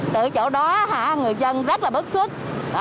từ chỗ đó người dân rất là bất xúc